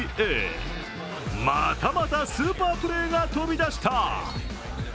またまたスーパープレーが飛び出した。